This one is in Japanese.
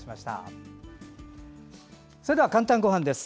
それでは「かんたんごはん」です。